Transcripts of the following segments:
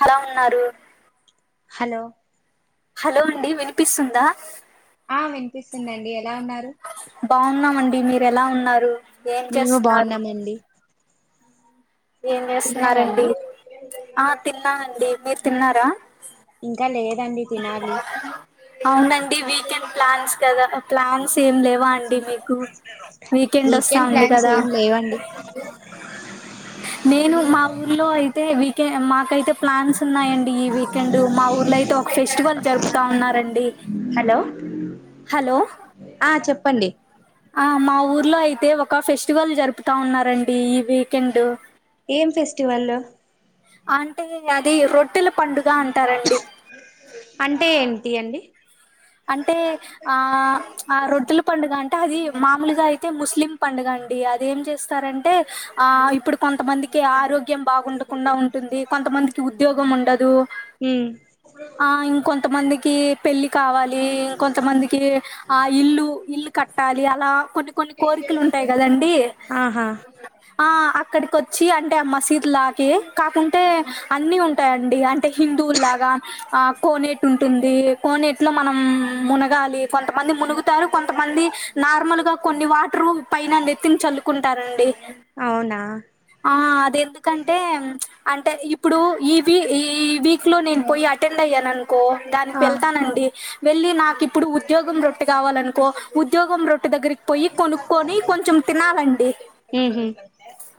హలా ఉన్నారు hello hello అండి వినిపిస్తుందా ఆ వినిపిస్తుందండి ఎలా ఉన్నారు బాగున్నామండి మీరెలా ఉన్నారు ఏం మేము చేస్తున్నారు బాగున్నామండి తిన్నారా అండి ఆ తిన్నానండి మీరు తిన్నారా ఇంకా లేదండి తినాలి అవునండి వీకెండ్ ప్లాన్స్ కదా ప్లాన్స్ ఏం లే వాండి మీకు వీకెండ్ వస్తా ఉంది కదా వండి నేను మా ఊర్లో అయితే వీకె మాకైతే ప్లాన్స్ ఉన్నాయండి ఈ వీకెండ్ మా ఊర్లో అయితే ఫెస్టివల్ జరుపుతా ఉన్నారండి హలో హలో ఆ చెప్పండి ఆ మా ఊర్లో అయితే ఒక ఫెస్టివల్ జరుపుతా ఉన్నారండి ఈ వీకెండ్ ఏం ఫెస్టివల్ అంటే అది రొట్టెల పండుగ అంటారండి అంటే ఏంటీ అండి అంటే ఆ ఆ రొట్టెల పండుగ అంటే అది మామూలుగా అయితే ముస్లిం పండుగ అండి అదేం చేస్తారం టే ఆ ఇప్పుడు కొంతమందికి ఆరోగ్యం బాగుండకుండ ఉంటుంది కొంతమందికి ఉద్యోగం ఉండదు ఉమ్ ఆ ఇంకొంతమందికి పెళ్ళిక్ ఇం కొంతమందికి ఆ ఇల్లు ఇల్లు కట్టాలి అలా కొన్ని కొన్ని కోరికలు ఉంటాయి కదండి ఆహా ఆ అక్కడికొచ్చి అంటే ఆ మసీద్ లాకి కాకుంటే అన్ని ఉంటాయండి అంట్ టే హిందువుల్లాగా ఆ కోనేట్ ఉంటుంది కోనేట్ లో మనం మునగాలి కొంతమంది మునుగుతారు కొంతమంది నార్మల్ గా కొన్ని వాటర్ పైన నెత్తిన్ చల్లుకుంటారండి అవునా ఆ అదెందుకంటే అంటే ఇప్పుడు ఈ వీ ఈ వీక్ లో నేను పోయి అట్ టెండ్ అయ్యాననుకో దానిక్ ఆ వెళ్తానండి వెళ్ళి నాకిప్పుడు ఉద్యోగం రొట్టె కావాలనుకో ఉద్యోగం రొట్టె దగ్గరిక్ పొయ్యి కొనుక్కొని కొంచెం తినాలండి ఉహు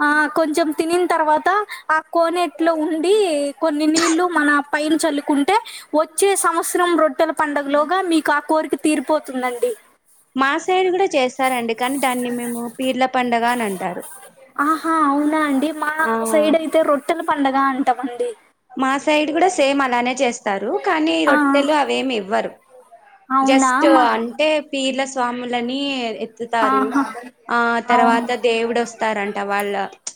ఆ కొంచెం తినిన్ తర్వాత ఆ కోనేట్లో ఉండి కొన్ని నీళ్లు మన పైన చల్లుకుంటే వోచ్ చ్చే సంవత్సరం రొట్టెల పండగలోగా మీకా కోరిక తీరిపోతుందండి మాసైడ్ గూడా చేస్తారండి కానీ దాన్ని మేము పీర్ల పండగ అని అంటారు ఆహా అవునా అండి మా ఆ సైడైత్ ట్టెల పండగ అంటామండి మా సైడ్ గూడా సేమ్ అలానే చేస్ టారు కానీ ఆ రొట్టెలు అవేమ్ ఇవ్వరు అవునా జస్ట్ మా అంట్ టే పీర్ల స్వాములని ఎత్తుతారు ఆహా ఆ అవును తర్వాత దేవుడొస్తారంట వాళ్ళ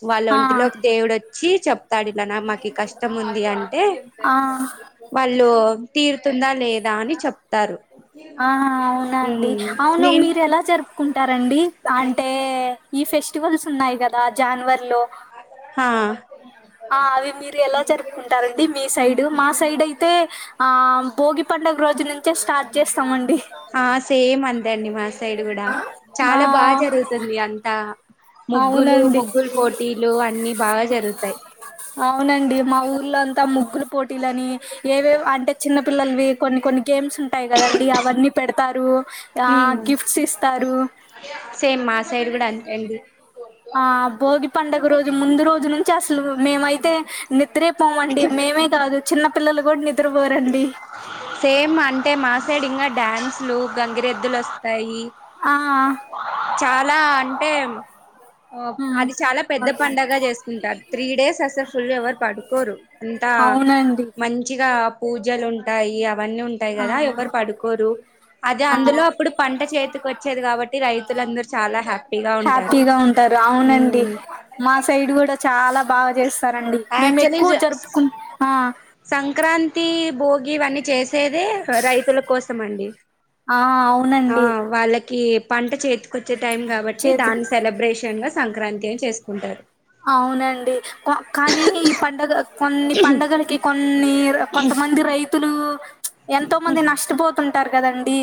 వాళ్ళ ఆ ఒంటిలోకి దేవుడోచ్ వచ్చి చెప్తాడు ఇలా నా మాకి ఈ కష్టముంది అంటే ఆ వాళ్ళు తీరుతుందా లేద్ దా అని చెప్తారు ఆ అవునా ఊ అండి అవును నేను మీరు ఎలా జరుప్కుంటారండి అంటే ఈ ఫెస్టివల్స్ ఉన్నాయి కదా జాన్వరి లో హా ఆ అవి మీరు ఎలా జరుపుకుంటారండి మీ సైడ్ మా సైడైతే ఆ భోగి పండగ రోజు నుంచే స్టార్ట్ చేస్తామండి ఆ సేమ్ అంతే అండి మా సైడ్ గూడా ఆ చాలా బాగా జరుగుత్ తుంది అంతా ముగ్గులు అవునండి ముగ్గుల్ పోటీలు అన్ని బాగా జరుగుతాయి అవునండి మా ఊర్లోంతా ముగ్గుల పోటీలని ఏవేవో అంటే చిన్న పిల్లలవి కొన్ని కొన్ని గేమ్స్ ఉంట్ టాయి గదండి అవన్ని పెడతారు ఆ హ్మ్ గిఫ్ట్స్ ఇస్తారు సేమ్ మా సైడ్ గూడా అంతే అండి ఆ భోగి పండగ రోజు ముందు రోజు నుంచే అసలు మేమైతే నిద్రే పోమండి మేమే కాదు చిన్న పిల్లలు గూడా నిద్రపోరండి సేమ్ అంటే మాసైడ్ ఇంగ డ్యాన్సులు గంగిరెద్దులొస్తాయి ఆ ఆ చాలా అంటే ఒప్ ఉమ్. అది చాలా పెద్ద పండగ జేసుకుంటారు త్రీ డేస్ అసలు ఫుల్లు ఎవరు పడుకోరు అంతా అవునండి మంచిగా పూజలు ఉంటాయి అవన్నీ ఉంటాయి ఆ గదా ఎవరు పడుకోరు అదే ఆ అందులో అప్పుడు పంట చేతికొచ్చేది కాబట్టి రైతులందరు చాలా హ్యాపీ హ్యాపీగా ఉంటారు అవునండి మా సైడ్ గుడ చాలా బాగా చేస్తారండి, మేము యాక్చువల్లీ ఎక్కువ జరుపుకుం ఆ సంక్రాంతి, భోగి ఇవన్నీ చేస్ సేదే రైతుల కోసం అండి, ఆ ఆ అవునండి వాళ్ళకి పంట చేతికొచ్చే టైం కాబట్టి, చేదు దాని సెలబ్రేషన్ గా సంక్రాంతి అని చేసుకుంటారు. అవునండి, ఆ కానీ ఈ పండగ కొన్ని పండుగలకి కొన్ని త కొంతమంది రైతులు ప్చ్ ఎంతో మంది నష్టపోతుంటారు కదండి.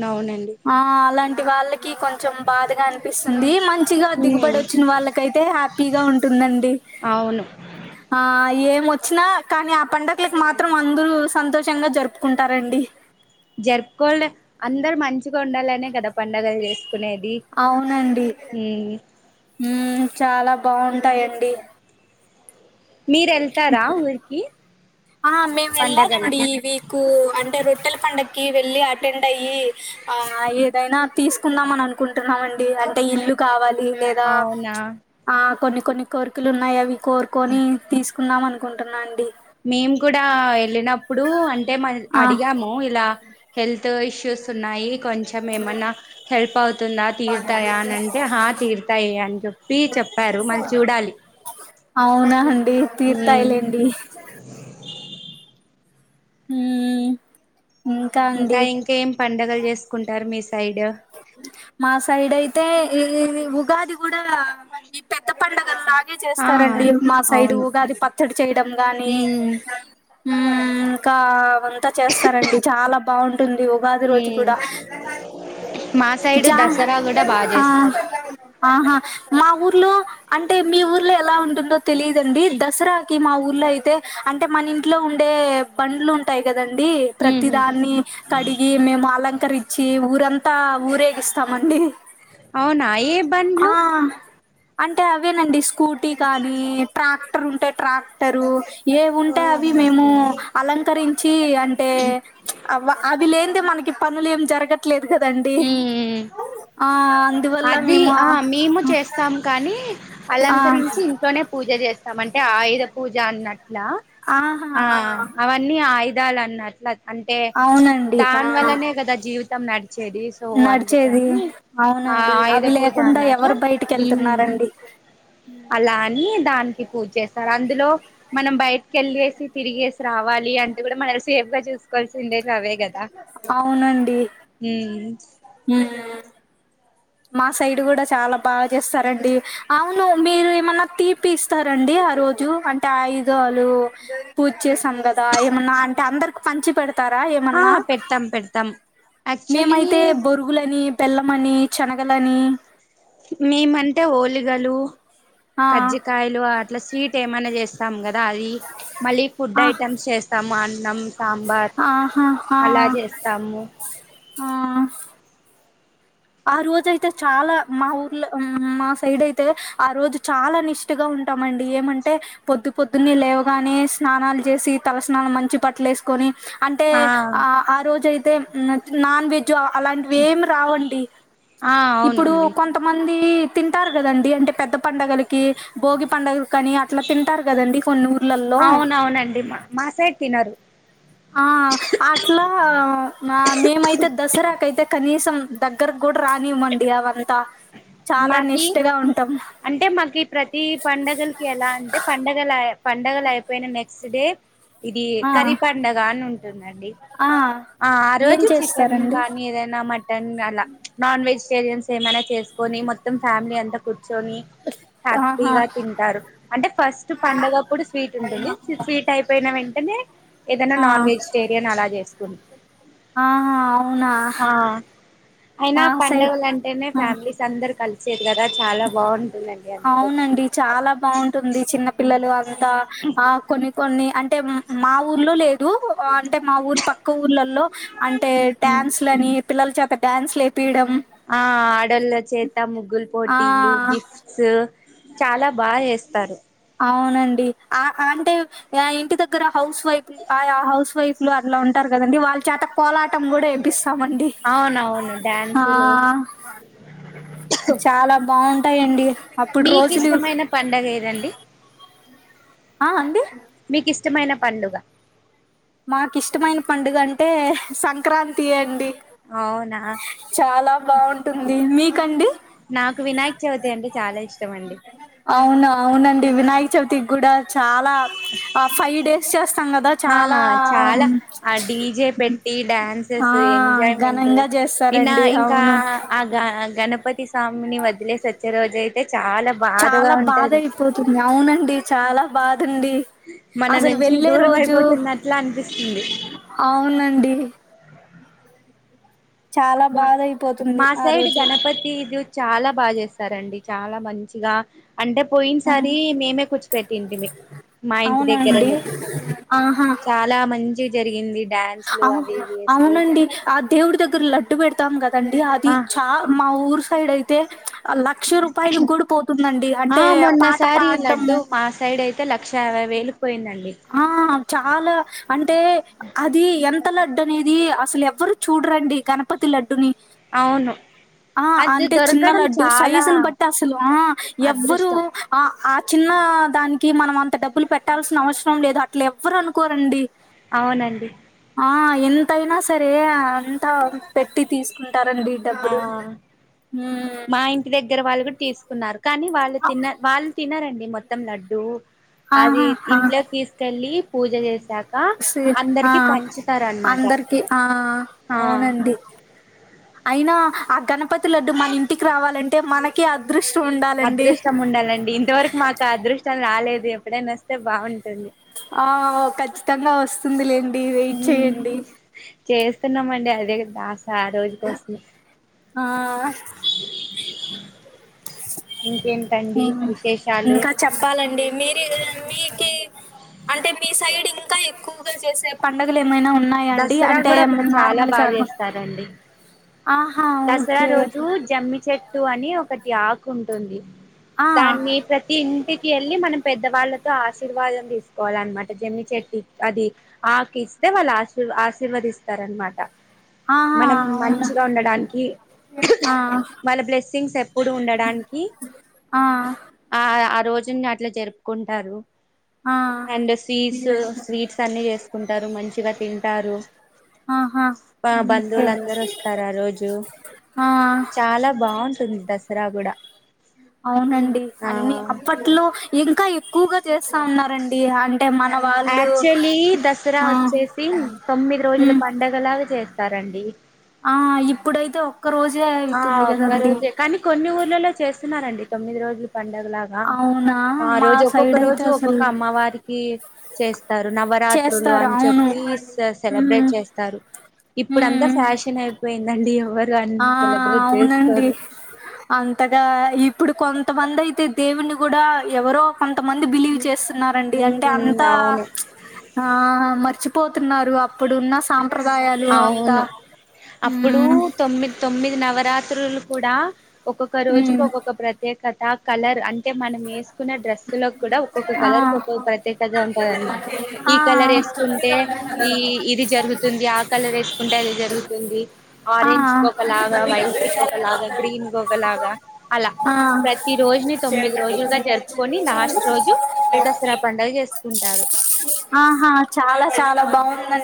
అవునండి ఆ అలాంటి వాళ్ళకి కొంచెం బాధగా అనిపిస్తుంది, మంచిగా దిగుబడి వచ్చిన వాళ్ళకైతే హ్యాప్ పీగా ఉంటుందండి. అవును ఆ ఏం వచ్చినా కానీ ఆ పండగలకు మాత్రం అందరూ సంతోషంగా జరుపుకుంటారండి. జర్పుకోల్డ్ అందరు మంచిగా ఉండాలనే కదా పండగలు చేసుకునేది. అవునండి ఉమ్ ఉమ్ చాలా బాగుంటాయండి. మీరు వెళ్తారా ఊరికి ఆ మేం వెళ్లాలండి పండగలకి ఇవి కు అంటే రొట్టెల పండక్కి వెళ్ళి అటెండ్ అయ్యి, ఆ ఏదైనా తీసుకుందాం అని అనుకుంటున్నామండి అంటే ఇల్లు కావాలి. లేదా అవునా ప్చ్ ఆ కొన్ని కొన్ని కోరికలు ఉన్నాయి, అవి కోరుకొని తీస్ కున్నాం అనుకుంటున్నా అండి. మేము కూడా వెళ్ళినప్పుడు అంటే మ ఆ అడిగాము ఇలా హెల్త్ ఇష్యూస్ ఉన్నాయి కొంచెం ఏమన్నా హెల్ప్ అవుతుందా తీరుతాయా అని అంటే, హ తీరుతాయి అని చెప్పి చెప్పారు, మళ్ళీ చూడాలి. అవునా అండి తీర్తాయ్ ఉమ్ లేండి. ఉమ్ ఇంకా ఇంకేం పండగలు చేసుకుంటారు మీ సైడ్? మా సైడ్ అయితే ఈ ఉగాది కూడా, ఈ పెద్ద పండగ గే ఆ చేస్తారండి మా సైడ్ అవును ఉగాది పచ్చడి చేయడం గాని ఉమ్ ఉమ్ ఇంకా అవంతా చేస్తారండి, చాలా బాగుంటుంది ఉగాది రోజు ఉమ్ కూడా. మా సైడు జా దసరా కూడా బాగా ఆ చేస్తారు ఆహా మా ఊర్లో అంటే మీ ఊర్లో ఎలా ఉంటుందో తెలిదండి, దసరాకి మా ఊర్లో అయితే అంటే మన ఇంట్లో ఉండే పండ్లు టాయి కదండి, ఉహు ప్రతిదాన్ని కడిగి మేము అలంకరిచ్చి ఊరంతా టా ఊరేగిస్తామండి. అవునా ఏ బండ్లు ఆ అంటే అవేనండి స్కూటీ కాని, ట్రాక్టర్ ఉంటే ట్రాక్టరు. ఏవుంటే ఓహో అవి మేము ఓకే అలంకరించి అంటే ప్చ్ అవ్వ అవి లేనిదే మనకి పనులు ఏం జరగట్లేదు కదండి, ఉమ్ ఆ అం అది ఆ మేము చేస్తాము కానీ, ఆ అలంకరించి ఇంట్లోనే పూజ చేస్ త మంటే ఆయుధ పూజ అన్నట్ల? ఆహా ఆ అవన్నీ ఆయుధాలు అన్నట్ల అంటే ప్చ్ అవునండి ఆ దాని వల్లనే కదా జీవితం నడిచేది, సో నడిచేది అందుకని ఆ అవునండి ఆయుధ అవి పూజ లేకుండా అన్నట్ల ఎవరు బయటికి మ్మ్ వెళ్తున్నారండి? అలా అని దానికి పూజ చేస్తారు అందులో మనం బయటికెళ్ళేసి, తిరిగేసి రావాలి అంటే గుడ మన సేఫ్ గా చూస్ కొల్సిందే అవే కదా, అవునండి ఉమ్ ఉమ్ మా సైడ్ గుడా చాలా బాగా చేస్తారండి, అవును మీరు ఏమన్నా తీపిస్ స్తారండి ఆ రోజు, అంటే ఆయుధాలు పూజ చేసాం కదా, ఏమన్నా అంటే అందరికి పంచి పెడత తర ఆ ఏమన్న పెడతాం పెడతాం మీము యాక్చువల్లీ అయితే బోర్ గులని బెల్లమని చెనగలని మేమంటే ఓలిగలు ఆ కజ్జికయలు అట్లా స్వీట్ ఏమనా చేస్ ా కదా అది మళ్ళీ ఫుడ్ ఆ ఐటెమ్స్ చేస్తాము అన్నాం ఆహా ఆ చేస్తాము ఆ ఆ రోజ అయితే చాలా మా ఊర్లో మా సైడ్ అయితే ఆ రోజు చాలా నిష్ ష్టగా ఉంటామండి ఏమంటే పొద్దు పొద్దున్నే లేవుగానే స్నాలు చేసి తలస్నానం మంచి పట్టలేస్ కోని అంటే ఆ ఆ రోజు అయితే నాన్ వె జ్ అలాంటివి ఏమి రావండి ఆ ఇప్పుడు అవునండి కొ తమంది తింటారు కదండి అంటే పెద్ద పండుగలకి భోగి పండుగల కాని అట్ ట్లా తింటారు కదండి కొన్ని ఊర్లలో అవునండి మా సైడ్ తినరు ఆ అట్లా మేమైతే దసరాకయితే కనీసం దగ్గరకు కూడా రానివ్వండి అవంతా చాలా మాకి నిష్టగా ఉంటాం అంటే మాకు ఈ ప్రతిీ పండుగలకి ఎలా అంటే పండగల పండగలు అయిపోయిన నెక్స్ క్స్ట్ డే ఇది ఆ కరిీ పండగ అని ఉంటుందండి ఆ ఆ ఆ ఏం రోజు చికెన్ చేస్తారండి కానీ ఏదైనా మ టన్ అలా నాన్ వెజిటేరియన్స్ ఏమైనా చేసుకొని మొత్తం ఫ్యామిలీ అంతా కూర్చొని ఆహా హ్యాపీగా తింటారు అంటే ఫస్ట్ పండగప్పుడు స్వీట్ ఉంటుంది స్వీటై పోయిన వెంటనే ఏదైనా ఆ నాన్ వెజిటేరియన్ అలా చేసుకున్ ఆహా అవునా అయినా మా సైడ్ పండుగలు అంటేనే ఆ ఫ్యామిలీస్ అందరు కలిసేది కదా చాలా బాగుంటుందండి అందరు వచ్చి అవునండి చాలా బాగుంటుంది చిన్న పిల్లలు అంతా ఆ కొన్ని కొన్ని అంటే మా ఊర్లో లేదు అంటే మా ఊరు పక్క ఊర్లలో అంటే డ్యాన్స్ లని పిల్లల చేత డ్యాన్స్లు లేపియడం ఆ ఆడోళ్ళ చేత ముగ్గుల ఆ పోటీలు గిఫ్ట్స్ చాలా బాగా చేస్తారు అవునండి ఆ అంటే ఇంటి దగ్గర హౌస్ వైఫ్ ఆ హౌస్ వైఫ్ లు అట్లా ఉంటారు కదండి వాళ్ళ చేత పోలాటం కూడా వేపిస్తామండి అవునవును ఆ డ్యాన్సులు చాలా బాగుంటాయండి మీకు ఇష్టమైన పండగ ఏదండి ఆ అండి మీకు ఇష్టమైన పండుగ మాకు ఇష్టమైన పండుగ అంటే సంక్రాంతి అండి అవునా చాలా బాగుంటుంది మీకండి నాకు వినాయక్ చవితి అంటే చాలా ఇష్టం అండి అవునా అవునండి వినాయక చవితికి కూడా చాలా ఆ ఫైవ్ డేస్ చేస్తాం కదా చా ఆ చాలా ఆ డీజే పెట్ ఈ ఆ డ్యాన్సెస్ ఎంజాయ్మెంట్ ఘనంగా ఇన చేస్తారండి ఇంకా అవును. ఆ గ గణపతి స్వామిని వదిలేసి వచ్చే రోజు అయితే చాలా బాధగా చాలా బాధ ఉంటది అయిపోతుంది అవునండి చాలా బాధండి మన అసలు నుంచి వెళ్ళే దూరం అయిపోతున్నట్లా అన్పిస్తుంది అవ్ నండి చాలా బాయ్ బాధ అయిపోతుంది ఆ మాసైడ్ రోజు గణప తి గ్యు చాల బాగ్ జేస్తారండి చాలా మంచిగా అంటే పొఇన్ ఆ! సారి మేమే కూచ్చిపెట్టింటిమి మా ఇంటి అవునండి దెగ్గెరెనే చాలా మంచిగ్ జరిగింది డ్యాన్స్లు ఔహో అవి ఇవి వేసుకెళ్తా అవునండి ఆ దేవుడి దగ్గర లడ్డు బెడతాం గదండి అది ఆ చా మా ఊరు సైడ్ అయితే లక్ష రూపాయిలు గ్గుడ పోతుందండి హంటే ఆ పాట మొన్నసారి పాడ్డం లడ్డు మా సైడైతే లక్షా యాభై వేలుక్ పోయిందండి హా అవి చాలా అంటే అది ఎంత లడ్డనేది అసలెవ్వరు చూడ్రండి గణపతి లడ్డుని అవును ఆ అది అంటే చిన్న దొరకడం లడ్డు చాలా సైజున్ బట్టి అసలు ఆ యవ్వరూ అదృష్టం ఆ ఆ చిన్న ఆ దాన్కి మనం అంత డబ్బులు పెట్టాల్సిన అవస్ సరం లేదు అట్ల ఎవ్వరు అనుకోరండి అవునండి ఆ ఎంతైనా సరే అంతా పెట్టి తీస్కుంటారండి ఆ మాఈన్ ఇంటి దగ్గెర వాళ్ళు గుడ్ తీస్కున్నారు కానీ వాళ్ళు తిన్న వాళ్ళు తినరండి మొత్తం లడ్డు అది ఆహా ఇంట్లేక్ తీస్కెళ్ళీ పూజ జేశార్ సీ ఆ అందర్కి ఆ ఆ అవునండి ఐనా ఆ గణపతి లడ్డు మనింటికి రావాలంటే మన కి అదృష్టముండాలండి కా అదృష్టం రాలేదు ఎప్పుడైనొస్తే బావుంటుంది ఆ ఖచ్చితంగా వస్తుందిలేండి వెయిట్ ఉమ్ చేయ్యండి చేస్తున్నామండి అదే గద దాస్యా ఆ రోజు కోస్మే ఆ ఇంకేం మేము ఇంకా చెప్పాలండి మీరూ మీకి అంటే మీ సైడింకా ఎక్కువుగా జేసే పండగలేమైనా ఉన్నా యా అండి దసరా అంటే కూడా బ చాలా నర్మల్ గా బాగా ఆకు చేస్తారండి ఆహా దసరా ఓకే రోజు జమ్మి చె ట్టు అని ఒకటి ఆకు ఉంటుంది ఆ దాన్ని ప్రతి ఇంటిక్ ఎళ్ళీ మనం పెద్దవాళ్ళతో ఆశీర్వాదం దీస్కోవాలన్మాట జెమ్మి చెట్టు అది ఆకిస్తే వాళ్ళు ఆశీర్వ ఆశీర్వదిస్తారన్మాట ఆహా మనం అవునా మంచిగా ఉండడాన్కి ఆ వాళ్ళ బ్లెస్సింగ్స్ ఎప్పుడు ఉండడాన్కి ఆ ఆ ఆ రోజింగ అట్ల జరుప్కుంటారు ఆ అండు స్వీసూ స్వీట్సన్ని జేస్కుంటారు మంచిగ తింటారు ఆహా బా బంధువులందరూ వస్తారారోజు హా చాలా బావుంటుంది దసరా గుడ అవునండి అన్నీ అప్పట్లో ఇంకా ఎక్కువ్గా చేస్తా ఉన్నారండి హంటే మన వాళ్ళు యాక్చువల్లీ దసరా ఆ వచ్చేసి తొమ్మిది రోజుల ఉమ్ పండగలాగా చేస్తారండి ఆ ఇప్పుడైతే ఒక్క రోజే ఆ అయితుంది ఒక్క కదండి రోజే కానీ కొన్ని ఊర్లలో చేస్తున్నారండి తొమ్మిది రోజులు పండుగ లాగా అవునా ఆ మా రోజు ఒక్కొక్క సైడ్ అయితే రోజు అసలు ఒక్కొక్క అమ్మవారికి చేస్తారు నవరాత్రులు చేస్తారు అని అవును చెప్పి ఉహు. సెలబ్రేట్ చేస్తారు ఇప్పుడ అంతా ఉమ్ ఫ్యాషన్ అయిపోయిందండి ఎవరు ఆ అన్ని సెలబ్రేట్ అవునండి చేసుకోరు అంతగా ఇప్పుడు కొంతమంది అయితే దేవుని కూడా ఎవరో కొంతమంది బిలీవ్ చేస్త రారండి అంటే అంత ఉమ్ అవును ఆ మర్చిపోతున్నారు అప్పుడున్న సాంప్రదాయాలు అంత అవును అప్పుడు మ్ తొమ్మిది నవరాత్రులు కూడా ఒక్కొక్క రోజుకి ఉమ్ ఒక్కొక్క ప్రత్యేకత కలర్ అంటే టే మనం ఏసుకున్న డ్రెస్సు లో క్కూడా ఒక్కొక్క ఆ కలర్ కు ఒక్కొక్క ప్రత్యేకత ఉంటదనమాట ఈ ఆ కలర్ ఏసుకుంటే ఈ ఇది జరుగుతుంది ఆ కలర్ వేసుకుంటే అది జరుగుతుంది ఆ ఆరెంజ్ కి ఒకలాగా వైట్ కి ఒకలాగా గ్రీన్ కి ఒక లాగా అల ఆ ప్రతి రోజుని తొమ్మిది రోజులుగా జరుపుకొని లాస్ట్ రోజు దసరా పండగ చేసుకుంటారు ఆహా చాలా చాలా బావుందండి